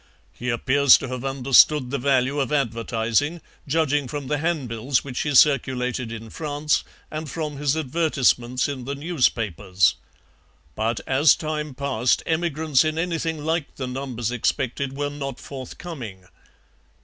He appears to have understood the value of advertising, judging from the handbills which he circulated in France and from his advertisements in the newspapers. But as time passed emigrants in anything like the numbers expected were not forthcoming.